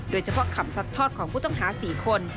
โดยเฉพาะคำซัดทอดของผู้ต้องหา๔คน